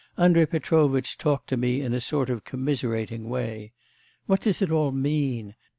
Andrei Petrovitch talked to me in a sort of commiserating way. What does it all mean?